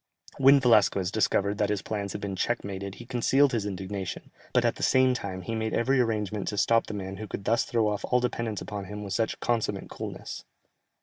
When Velasquez discovered that his plans had been check mated he concealed his indignation, but at the same time, he made every arrangement to stop the man who could thus throw off all dependence upon him with such consummate coolness.